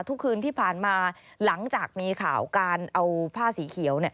ทุกคืนที่ผ่านมาหลังจากมีข่าวการเอาผ้าสีเขียว